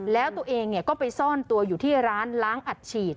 แล้วตัวเองก็ไปซ่อนตัวอยู่ที่ร้านล้างอัดฉีด